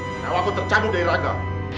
kau aku tercabut dari raga